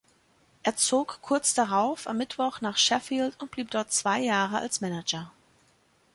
Er zog kurz darauf am Mittwoch nach Sheffield und blieb dort zwei Jahre als Manager.